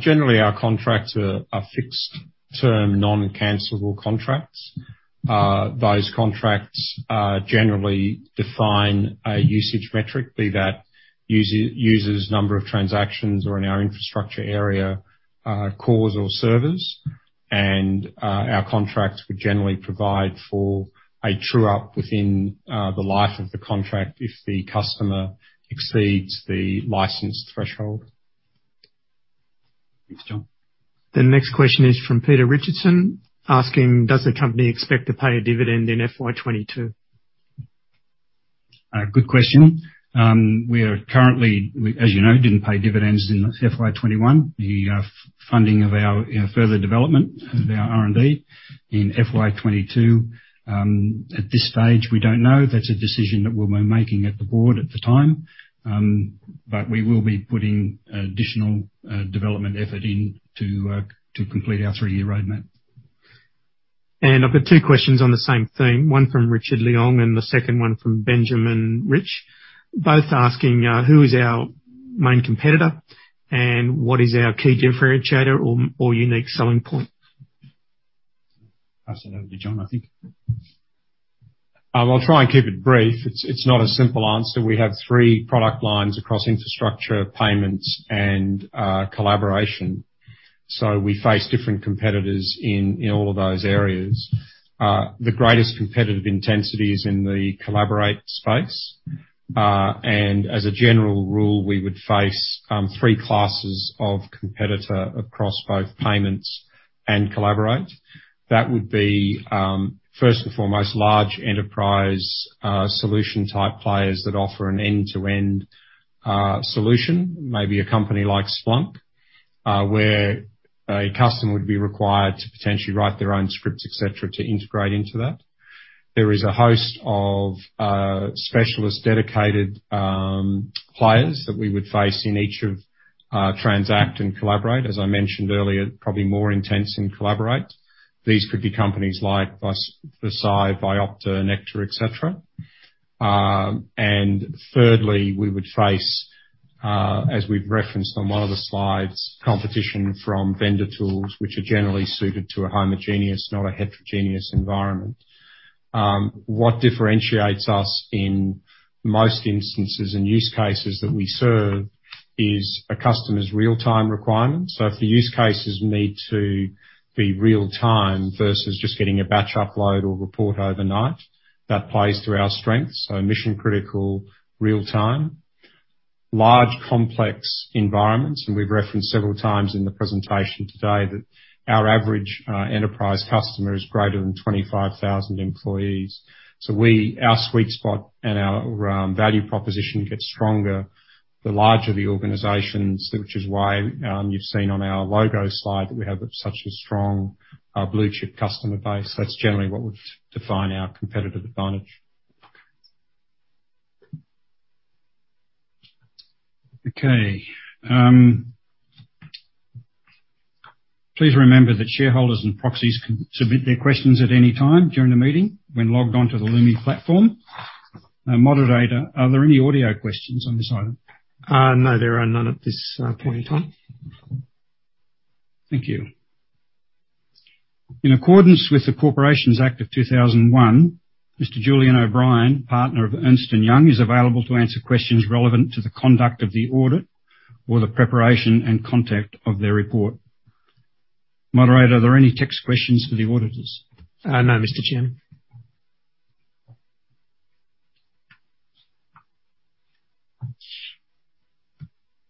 Generally, our contracts are fixed term, non-cancelable contracts. Those contracts generally define a usage metric, be that user, users' number of transactions or in our infrastructure area, cores or servers. Our contracts would generally provide for a true-up within the life of the contract if the customer exceeds the license threshold. Thanks, John. The next question is from Peter Richardson asking, Does the company expect to pay a dividend in FY 2022? Good question. We, as you know, didn't pay dividends in FY 2021. The funding of our, you know, further development of our R&D in FY 2022, at this stage, we don't know. That's a decision that we'll be making at the board at the time. We will be putting additional development effort into complete our three-year roadmap. I've got two questions on the same theme, one from Richard Leong and the second one from Benjamin Rich, both asking, who is our main competitor and what is our key differentiator or unique selling point? Pass that over to John, I think. I will try and keep it brief. It's not a simple answer. We have three product lines across infrastructure, payments, and collaboration. We face different competitors in all of those areas. The greatest competitive intensity is in the Collaborate space. As a general rule, we would face three classes of competitor across both payments and Collaborate. That would be first and foremost, large enterprise solution type players that offer an end-to-end solution. Maybe a company like Splunk, where a customer would be required to potentially write their own scripts, et cetera, to integrate into that. There is a host of specialist dedicated players that we would face in each of Transact and Collaborate. As I mentioned earlier, probably more intense in Collaborate. These could be companies like Virsae, Vyopta, Nectar, et cetera. Thirdly, we would face, as we've referenced on one of the slides, competition from vendor tools which are generally suited to a homogeneous, not a heterogeneous environment. What differentiates us in most instances and use cases that we serve is a customer's real-time requirement. If the use cases need to be real time versus just getting a batch upload or report overnight, that plays to our strengths. Mission-critical real time. Large complex environments, and we've referenced several times in the presentation today that our average enterprise customer is greater than 25,000 employees. Our sweet spot and our value proposition gets stronger the larger the organizations, which is why you've seen on our logo slide that we have such a strong blue chip customer base. That's generally what would define our competitive advantage. Okay. Please remember that shareholders and proxies can submit their questions at any time during the meeting when logged on to the Lumi platform. Moderator, are there any audio questions on this item? No, there are none at this point in time. Thank you. In accordance with the Corporations Act 2001, Mr. Julian O'Brien, Partner of Ernst & Young, is available to answer questions relevant to the conduct of the audit or the preparation and contents of their report. Moderator, are there any text questions for the auditors? No, Mr. Chairman.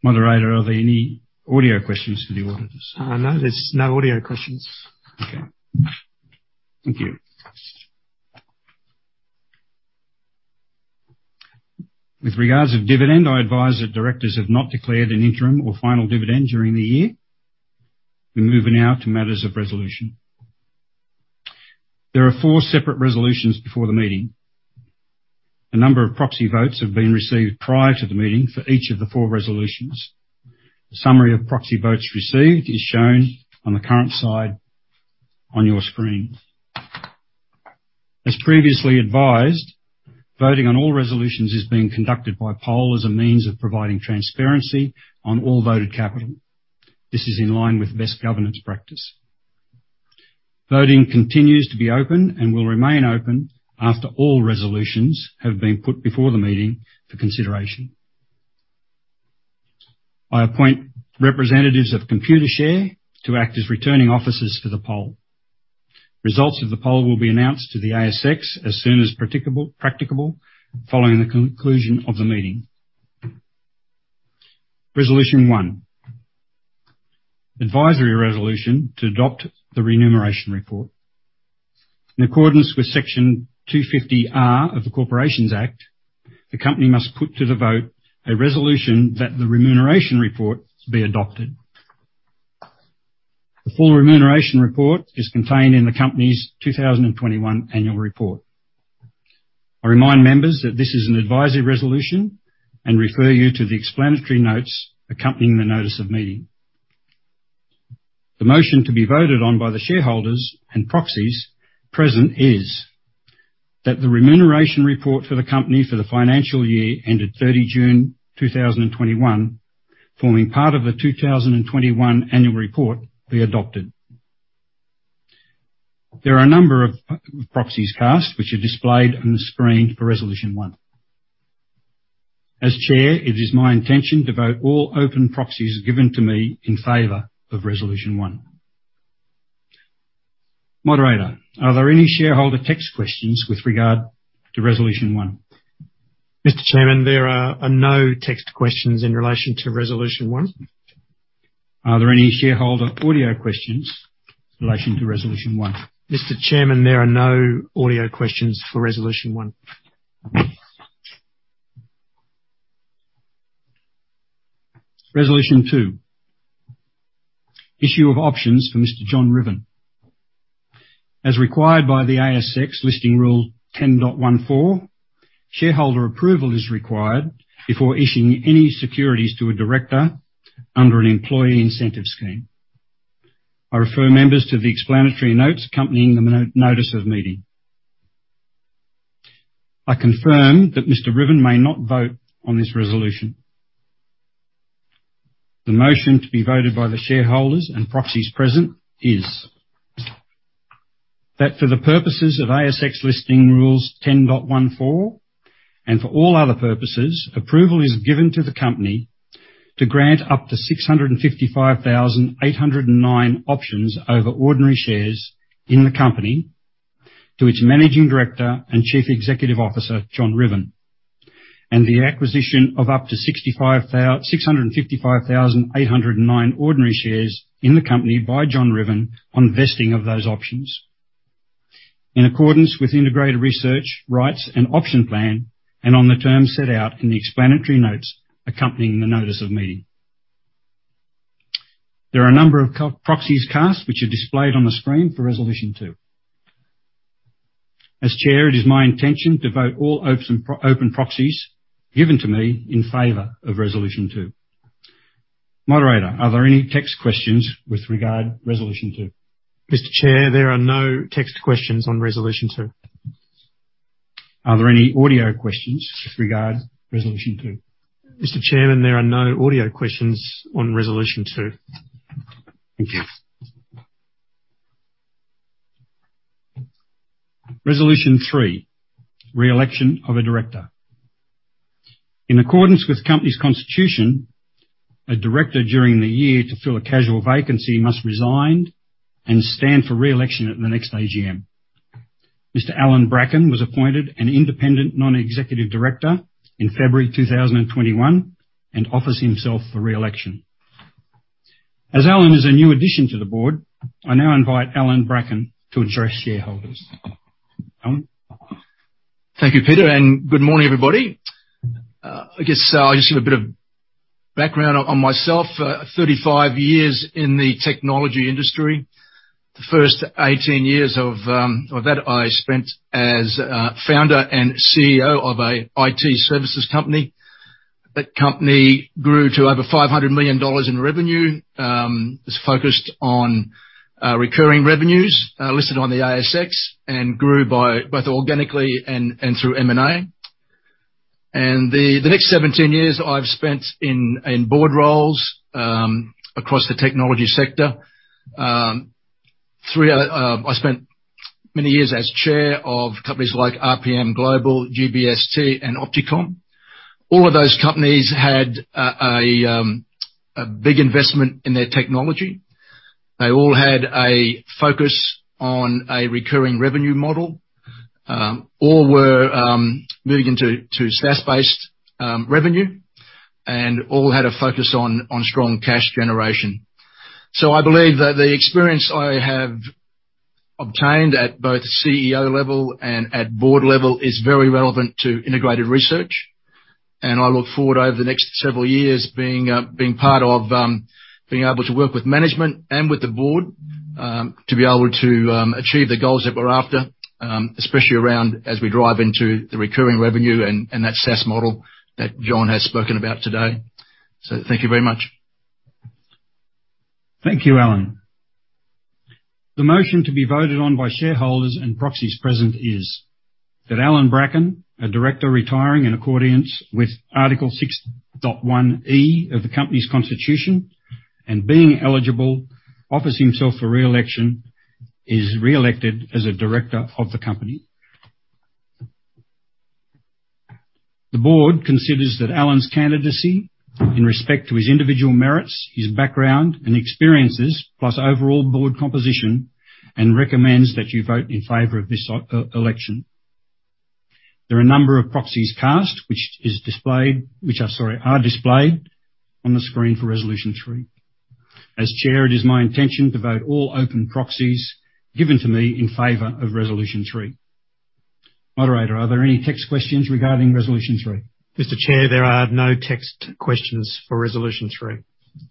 Moderator, are there any audio questions for the auditors? No. There's no audio questions. Okay. Thank you. With regard to dividend, I advise that directors have not declared an interim or final dividend during the year. We're moving now to matters of resolution. There are four separate resolutions before the meeting. A number of proxy votes have been received prior to the meeting for each of the four resolutions. A summary of proxy votes received is shown on the current slide on your screen. As previously advised, voting on all resolutions is being conducted by poll as a means of providing transparency on all voted capital. This is in line with best governance practice. Voting continues to be open and will remain open after all resolutions have been put before the meeting for consideration. I appoint representatives of Computershare to act as returning officers for the poll. Results of the poll will be announced to the ASX as soon as practicable following the conclusion of the meeting. Resolution one, advisory resolution to adopt the remuneration report. In accordance with Section 250R of the Corporations Act, the company must put to the vote a resolution that the remuneration report be adopted. The full remuneration report is contained in the company's 2021 annual report. I remind members that this is an advisory resolution and refer you to the explanatory notes accompanying the notice of meeting. The motion to be voted on by the shareholders and proxies present is that the remuneration report for the company for the financial year ended 30 June 2021, forming part of the 2021 annual report be adopted. There are a number of proxies cast which are displayed on the screen for Resolution one. As chair, it is my intention to vote all open proxies given to me in favor of Resolution one. Moderator, are there any shareholder text questions with regard to Resolution one? Mr. Chairman, there are no text questions in relation to resolution one. Are there any shareholder audio questions in relation to resolution one? Mr. Chairman, there are no audio questions for resolution one. Resolution two, issue of options for Mr. John Ruthven. As required by the ASX Listing Rule 10.14, shareholder approval is required before issuing any securities to a director under an employee incentive scheme. I refer members to the explanatory notes accompanying the notice of meeting. I confirm that Mr. Ruthven may not vote on this resolution. The motion to be voted by the shareholders and proxies present is that for the purposes of ASX Listing Rule 10.14 and for all other purposes, approval is given to the company to grant up to 655,809 options over ordinary shares in the company to its Managing Director and Chief Executive Officer, John Ruthven, and the acquisition of up to 655,809 ordinary shares in the company by John Ruthven on vesting of those options. In accordance with Integrated Research Performance Rights and Option Plan and on the terms set out in the explanatory notes accompanying the notice of meeting. There are a number of co-proxies cast which are displayed on the screen for resolution two. As Chair, it is my intention to vote all open pro-open proxies given to me in favor of Resolution two. Moderator, are there any text questions with regard Resolution two? Mr. Chair, there are no text questions on Resolution two. Are there any audio questions with regard to Resolution two? Mr. Chairman, there are no audio questions on Resolution two. Thank you. Resolution three, re-election of a director. In accordance with company's constitution, a director during the year to fill a casual vacancy must resign and stand for re-election at the next AGM. Mr. Allan Brackin was appointed an independent non-executive director in February 2021 and offers himself for re-election. As Allan is a new addition to the board, I now invite Allan Brackin to address shareholders. Allan? Thank you, Peter, and good morning, everybody. I guess I'll just give a bit of background on myself. 35 years in the technology industry. The first 18 years of that I spent as founder and CEO of an IT services company. That company grew to over 500 million dollars in revenue, is focused on recurring revenues, listed on the ASX and grew by both organically and through M&A. The next 17 years I've spent in board roles across the technology sector. I spent many years as chair of companies like RPMGlobal, GBST and OptiComm. All of those companies had a big investment in their technology. They all had a focus on a recurring revenue model. All were moving into SaaS-based revenue, and all had a focus on strong cash generation. I believe that the experience I have obtained at both CEO level and at board level is very relevant to Integrated Research, and I look forward over the next several years to being part of being able to work with management and with the board to be able to achieve the goals that we're after, especially around as we drive into the recurring revenue and that SaaS model that John has spoken about today. Thank you very much. Thank you, Allan. The motion to be voted on by shareholders and proxies present is that Allan Brackin, a director retiring in accordance with Article 6.1(e) of the company's constitution and being eligible offers himself for re-election, is re-elected as a director of the company. The board considers that Allan's candidacy in respect to his individual merits, his background, and experiences, plus overall board composition, and recommends that you vote in favor of this election. There are a number of proxies cast which are displayed on the screen for Resolution three. As Chair, it is my intention to vote all open proxies given to me in favor of Resolution three. Moderator, are there any text questions regarding Resolution three? Mr. Chair, there are no text questions for Resolution three.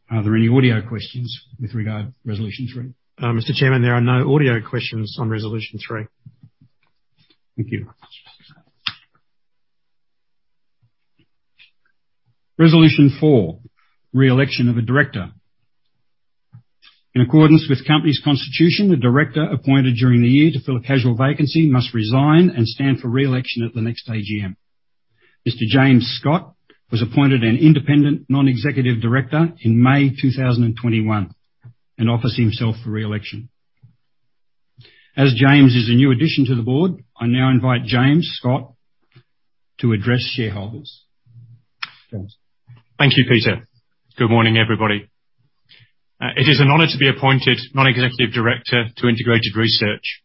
Are there any audio questions with regard to Resolution three? Mr. Chairman, there are no audio questions on Resolution three. Thank you. Resolution four, re-election of a director. In accordance with the company's constitution, the director appointed during the year to fill a casual vacancy must resign and stand for re-election at the next AGM. Mr. James Scott was appointed an Independent Non-Executive Director in May 2021, and offers himself for re-election. As James is a new addition to the board, I now invite James Scott to address shareholders. James. Thank you Peter. Good morning, everybody. It is an honor to be appointed non-executive director to Integrated Research.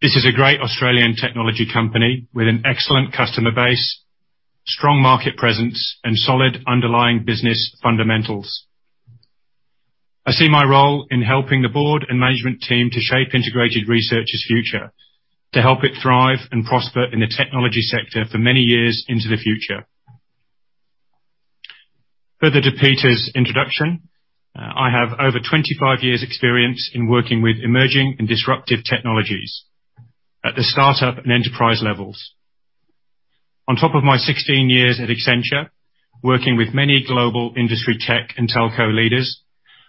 This is a great Australian technology company with an excellent customer base, strong market presence, and solid underlying business fundamentals. I see my role in helping the board and management team to shape Integrated Research's future, to help it thrive and prosper in the technology sector for many years into the future. Further to Peter's introduction, I have over 25 years experience in working with emerging and disruptive technologies at the startup and enterprise levels. On top of my 16 years at Accenture, working with many global industry tech and telco leaders,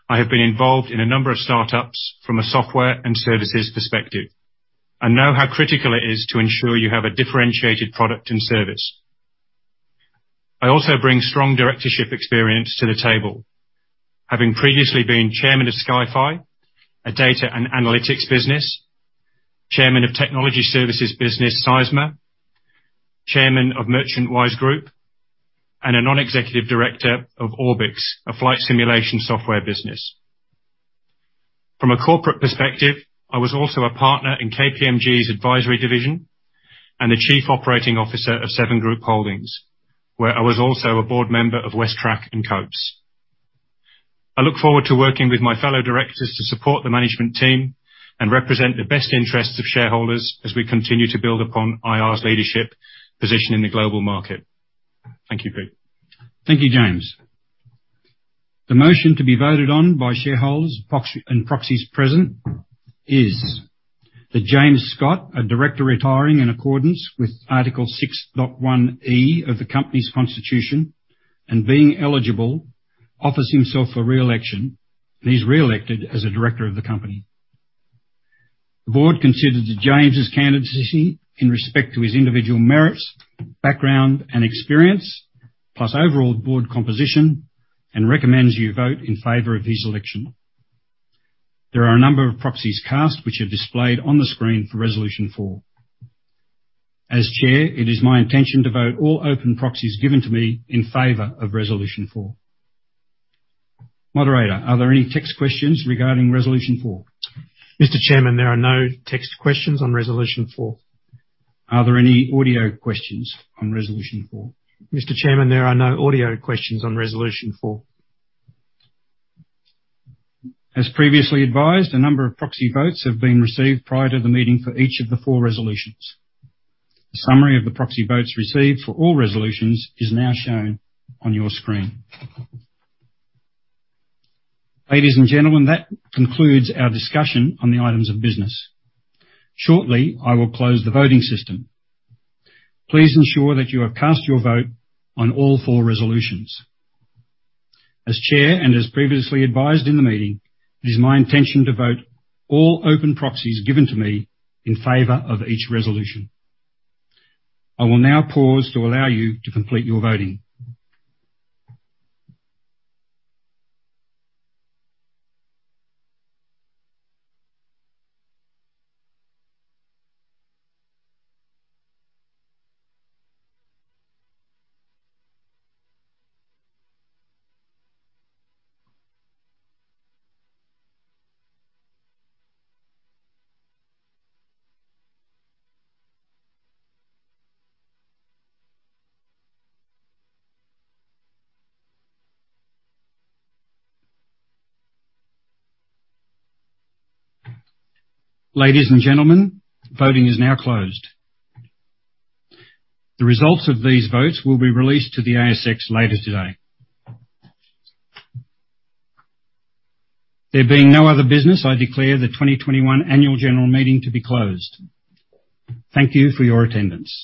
I have been involved in a number of startups from a software and services perspective. I know how critical it is to ensure you have a differentiated product and service. I also bring strong directorship experience to the table, having previously been Chairman of SkyFi, a data and analytics business, Chairman of technology services business, Sizma, Chairman of Merchantwise Group, and a non-executive director of Orbix, a flight simulation software business. From a corporate perspective, I was also a partner in KPMG's advisory division and the chief operating officer of Seven Group Holdings, where I was also a board member of WesTrac and COPES. I look forward to working with my fellow directors to support the management team and represent the best interests of shareholders as we continue to build upon IR's leadership position in the global market. Thank you, Peter. Thank you, James. The motion to be voted on by shareholders, proxies present is that James Scott, a director retiring in accordance with Article 6.1(e) of the company's constitution and being eligible, offers himself for re-election, and he's re-elected as a director of the company. The board considers James' candidacy in respect to his individual merits, background, and experience, plus overall board composition, and recommends you vote in favor of his election. There are a number of proxies cast which are displayed on the screen for Resolution four. As Chair, it is my intention to vote all open proxies given to me in favor of Resolution four. Moderator, are there any text questions regarding Resolution four? Mr. Chairman, there are no text questions on Resolution four. Are there any audio questions on Resolution four? Mr. Chairman, there are no audio questions on Resolution four. As previously advised, a number of proxy votes have been received prior to the meeting for each of the four resolutions. A summary of the proxy votes received for all resolutions is now shown on your screen. Ladies and gentlemen, that concludes our discussion on the items of business. Shortly, I will close the voting system. Please ensure that you have cast your vote on all four resolutions. As Chair, and as previously advised in the meeting, it is my intention to vote all open proxies given to me in favor of each resolution. I will now pause to allow you to complete your voting. Ladies and gentlemen, voting is now closed. The results of these votes will be released to the ASX later today. There being no other business, I declare the 2021 Annual General Meeting to be closed. Thank you for your attendance.